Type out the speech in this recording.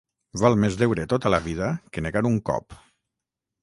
Val més deure tota la vida que negar un cop.